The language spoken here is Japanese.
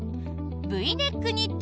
Ｖネックニット